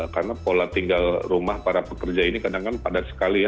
karena pola tinggal rumah para pekerja ini kadang kadang padat sekali ya